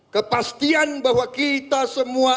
kepastian bahwa kita semua